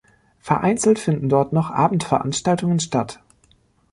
Vereinzelt finden dort noch Abendveranstaltungen statt.